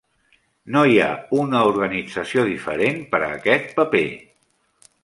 No hi ha una organització diferent per a aquest paper.